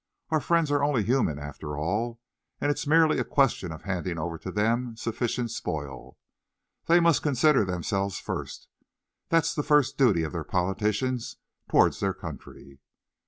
Our friends are only human, after all, and it's merely a question of handing over to them sufficient spoil. They must consider themselves first: that's the first duty of their politicians towards their country."